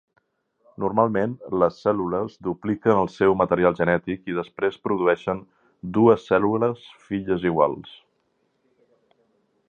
Normalment, les cèl·lules dupliquen el seu material genètic i després produeixen dues cèl·lules filles iguals.